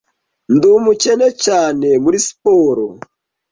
Ndi umukene cyane muri siporo.